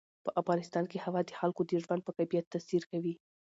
په افغانستان کې هوا د خلکو د ژوند په کیفیت تاثیر کوي.